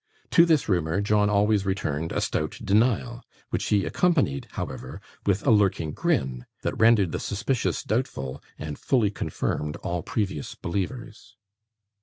To this rumour John always returned a stout denial, which he accompanied, however, with a lurking grin, that rendered the suspicious doubtful, and fully confirmed all previous believers.